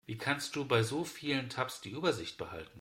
Wie kannst du bei so vielen Tabs die Übersicht behalten?